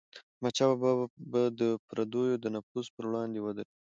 احمدشاه بابا به د پردیو د نفوذ پر وړاندې ودرید.